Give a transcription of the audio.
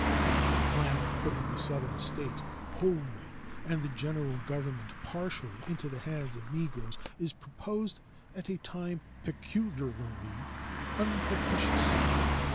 The plan of putting the Southern States wholly and the General Government partially into the hands of Negroes is proposed at a time peculiarly unpropitious.